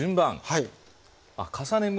はい。